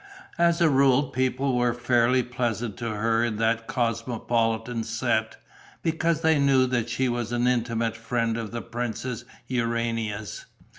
As a rule people were fairly pleasant to her in that cosmopolitan set, because they knew that she was an intimate friend of the Princess Urania's.